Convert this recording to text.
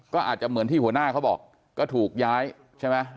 ก็อาจจะเหมือนที่หัวหน้าเขาบอกก็ถูกย้ายใช่ไหม